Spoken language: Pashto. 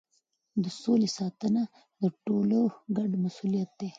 د سولې ساتنه د ټولو ګډ مسؤلیت دی.